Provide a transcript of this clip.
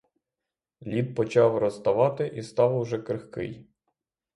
Лід почав розтавати і став уже крихкий.